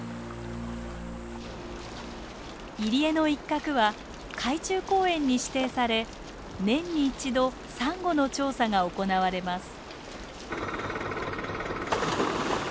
入り江の一角は海中公園に指定され年に一度サンゴの調査が行われます。